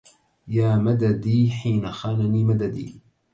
يا مددي حين خانني مددي